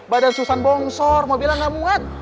badan susan bongsor mobilnya gak muat